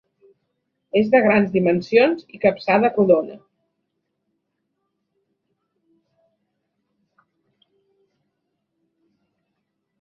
És de grans dimensions i capçada rodona.